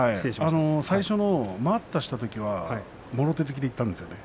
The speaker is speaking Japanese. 最初の待ったしたときはもろ手突きでいったんです。